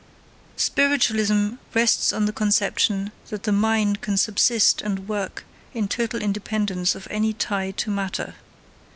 Spiritualism rests on the conception that the mind can subsist and work in total independence of any tie to matter.